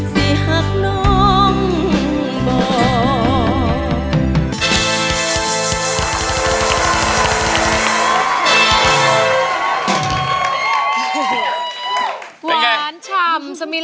สิหากเป็นคนดี